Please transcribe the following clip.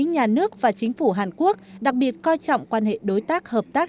nhà nước và chính phủ hàn quốc đặc biệt coi trọng quan hệ đối tác hợp tác